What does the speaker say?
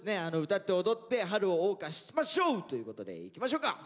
歌って踊って春をおう歌しましょう！ということでいきましょうか。